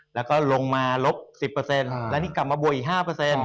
แล้วก็ลงมาลบ๑๐เปอร์เซ็นต์แล้วนี่กลับมาบวกอีก๕เปอร์เซ็นต์